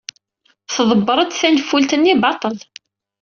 Tḍebber-d tanfult-nni baṭel.